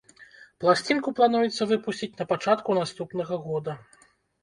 Пласцінку плануецца выпусціць на пачатку наступнага года.